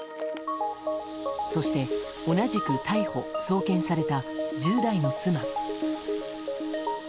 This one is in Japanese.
そして、同じく逮捕・送検された１０代の妻。